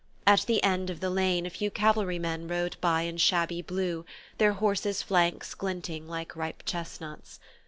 At the end of the lane a few cavalrymen rode by in shabby blue, their horses' flanks glinting like ripe chestnuts.